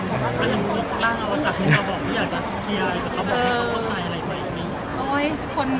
ว่าอย่างนี้ล่างอวตาคือเค้าบอกไม่อาจจะเคลียร